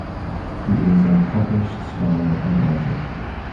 He is an accomplished scholar and author.